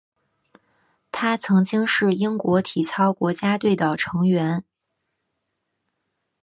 他曾经是英国体操国家队的成员。